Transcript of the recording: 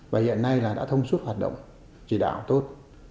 và hiện nay là đã thông suốt hoạt động chỉ đạo tốt